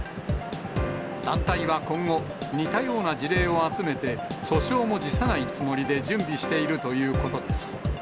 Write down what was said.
団体は今後、似たような事例を集めて、訴訟も辞さないつもりで準備しているということです。